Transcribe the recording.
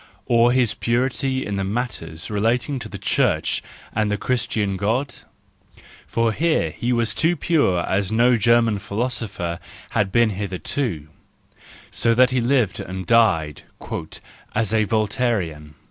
Or his purity in matters relating to the Church and the Christian God ?— for here he was pure as no German philosopher had been hitherto, so that he lived and died " as a Voltairian."